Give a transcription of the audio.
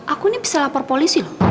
aku ini bisa lapor polisi loh